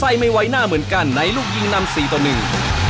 อย่าใส่ไม่ไหวหน้าเหมือนกันในลูกยิงนำ๔ตัวหนึ่ง